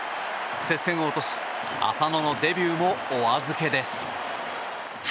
接戦を落とし浅野のデビューもお預けです。